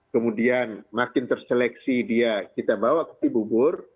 kemudian makin terseleksi dia kita bawa ke cibubur